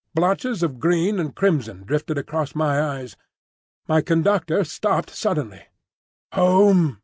Blotches of green and crimson drifted across my eyes. My conductor stopped suddenly. "Home!"